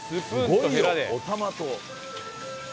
すごいよお玉と。